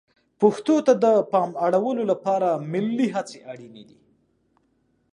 پښتو ته د پام اړولو لپاره ملي هڅې اړینې دي.